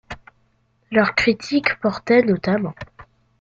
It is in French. Leurs critique portaient notamment.